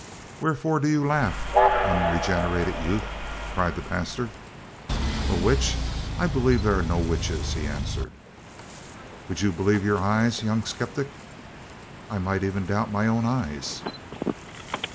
"Wherefore do you laugh, unregenerated youth?" cried the pastor. "A witch! I believe there are no witches," he answered. "Would you believe your eyes, young sceptic?" "I might even doubt my own eyes."